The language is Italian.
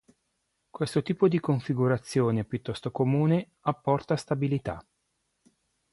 Questo tipo di configurazione, piuttosto comune, apporta stabilità.